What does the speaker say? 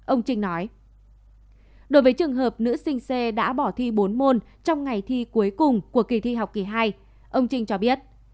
ông trinh nói đối với trường hợp nữ sinh c đã bỏ thi bốn môn trong ngày thi cuối cùng của kỳ thi học kỳ hai ông trinh cho biết